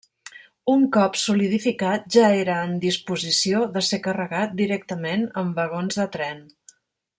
Un cop solidificat ja era en disposició de ser carregat directament en vagons de tren.